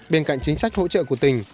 bên cạnh chính sách hỗ trợ của tỉnh